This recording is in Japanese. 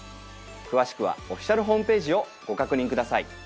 詳しくはオフィシャルホームページをご確認ください。